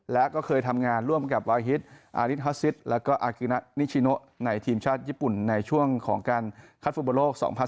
และก็เคยทำงานร่วมกับวาฮิตอาริสฮอสซิสแล้วก็อากินะนิชิโนในทีมชาติญี่ปุ่นในช่วงของการคัดฟุตบอลโลก๒๐๑๖